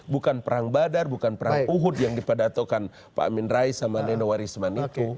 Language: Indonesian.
bukan perang badar bukan perang uhud yang dipadatokan pak amin rais sama nenowarisman itu